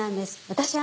私